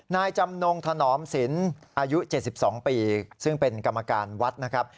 นายจำนงถนอมศิลป์อายุ๗๒ปีซึ่งเป็นกรรมการวัดนะครับ